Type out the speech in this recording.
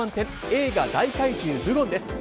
映画「大怪獣ブゴン」です。